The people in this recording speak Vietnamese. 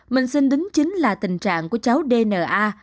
mình xin đính chính là tình trạng của cháu d n a